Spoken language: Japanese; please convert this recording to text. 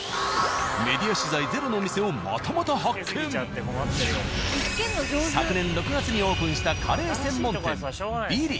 メディア取材ゼロのお店を昨年６月にオープンしたカレー専門店「Ｂｉｌｌｉ」。